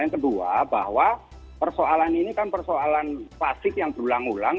yang kedua bahwa persoalan ini kan persoalan klasik yang berulang ulang